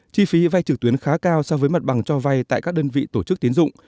chi phí vay trực tuyến khá cao so với mặt bằng cho vay tại các đơn vị tổ chức tiến dụng